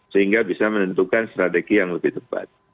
sehingga bisa menentukan strategi yang lebih tepat